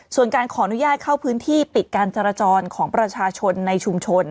ส่วนการขออนุญาตเข้าพื้นที่ปิดการจราจรของประชาชนในชุมชน